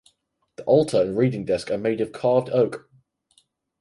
The altar and reading desk are made of carved oak.